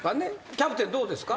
キャプテンどうですか？